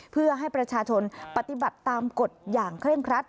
เพื่อให้ประชาชนปฏิบัติตามกฎอย่างเคร่งครัด